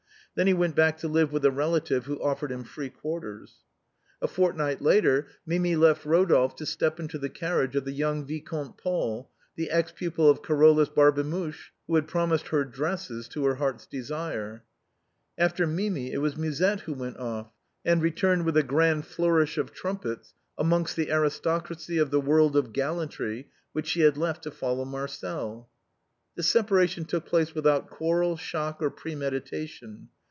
Then he went back to live with a relative who offered him free quarters. A fortnight later Mimi left Rodolphe to step into the carriage of the young Vicomte Paul, the ex pupil of Caro lus Barbemuche, who had promised her dresses to her heart's desire. After Mimi it was Musette who went off, and returned with a grand flourish of trumpets amongst the aristocracy of the world of gallantry which she had left to follow Marcel. This separation took place without quarrel, shock, or premeditation.